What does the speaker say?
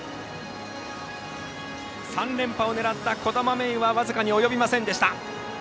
３連覇を狙った兒玉芽生は僅かに及びませんでした。